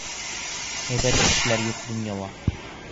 Һәйбәт кешеләр юҡ донъяла.